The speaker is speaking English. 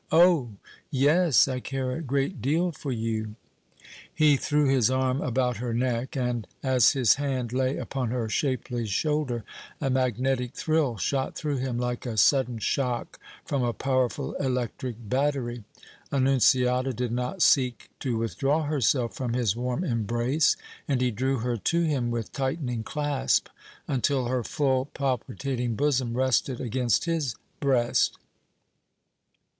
"Oh! yes! I care a great deal for you!" He threw his arm about her neck, and, as his hand lay upon her shapely shoulder, a magnetic thrill shot through him like a sudden shock from a powerful electric battery. Annunziata did not seek to withdraw herself from his warm embrace, and he drew her to him with tightening clasp until her full, palpitating bosom rested against his breast.